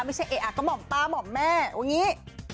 ไม่ใช่เอกอ่ะก็หม่อมป้าหม่อมแม่แบบนี้